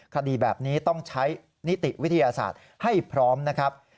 คดีแบบนี้ต้องใช้นิติวิทยาศาสตร์ให้พร้อมนะครับ